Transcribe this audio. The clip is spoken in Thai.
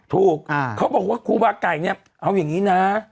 เขาบอกว่าครูบาไก่เนี่ยเอาอย่างนี้นะ